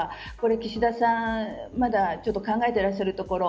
岸田さんまだ考えてらっしゃるところ。